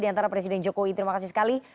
di antara presiden jokowi terima kasih sekali